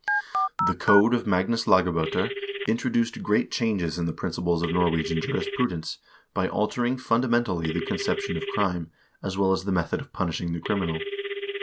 The " Code of Magnus Lagab0ter " introduced great changes in the principles of Norwegian jurisprudence by altering fundamentally the conception of crime, as well as the method of punishing the criminal.